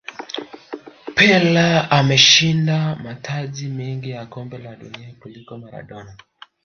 pele ameshinda mataji mengi ya kombe la dunia kuliko maradona